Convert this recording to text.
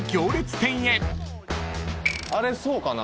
あれそうかな？